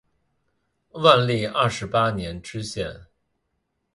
万历二十八年知县。